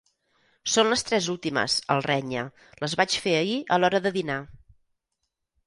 Són les tres últimes —el renya—, les vaig fer ahir, a l'hora de dinar.